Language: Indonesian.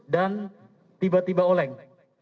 dan tiba tiba oleng